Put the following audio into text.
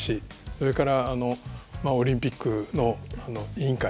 それから、オリンピックの委員会